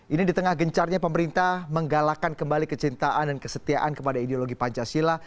ini di tengah gencarnya pemerintah menggalakkan kembali kecintaan dan kesetiaan kepada ideologi pancasila